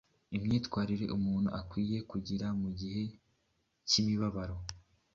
imyifatire umuntu akwiriye kugira mu gihe cy’imibabaro.